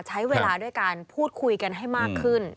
ใช้เวลาด้วยการพูดคุยกันให้มากขึ้น